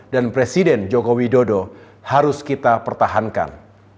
dan presiden jokowi dodo harus kita pertahankan